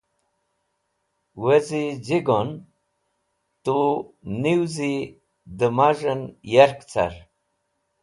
Wezi z̃i go’n, tu niwizi dẽ maz̃h en yark car.